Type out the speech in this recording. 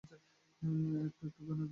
একটু একটু, কেন বিয়ের দিন শোনোনি?